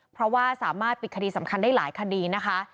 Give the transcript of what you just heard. เพราะว่าสามารถปิดคดีสำคัญได้หลายคดีนะคะ